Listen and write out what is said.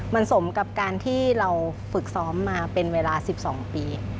มันสมกับการที่เราฝึกซ้อมมาเป็นเวลา๑๒ปี